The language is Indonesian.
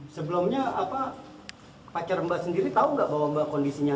sebelumnya pacar mbak sendiri tahu nggak bahwa mbak kondisinya